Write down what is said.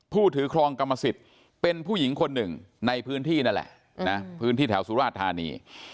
ถือครองกรรมสิทธิ์เป็นผู้หญิงคนหนึ่งในพื้นที่นั่นแหละนะพื้นที่แถวสุราชธานี